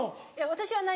私はない